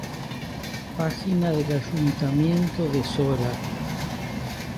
Página del Ayuntamiento de Sora